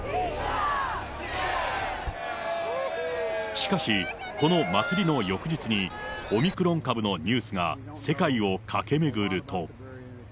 しかし、この祭りの翌日に、オミクロン株のニュースが世界を駆け巡ると。